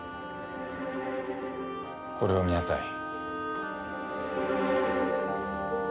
これを見なさい。